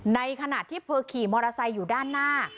ในขณะที่เธอขี่มอเตอร์ไซค์อยู่ด้านหน้า